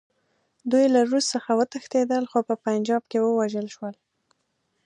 دوی له روس څخه وتښتېدل، خو په پنجاب کې ووژل شول.